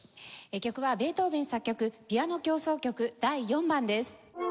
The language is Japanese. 曲はベートーヴェン作曲『ピアノ協奏曲第４番』です。